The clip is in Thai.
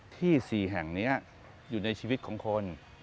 ที่๔แห่งนี้อยู่ในชีวิตของคน